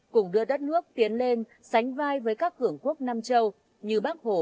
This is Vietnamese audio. cùng đưa đất nước tiến lên sánh vai với các cưỡng quốc nam châu như bác hồ đã từng mong ước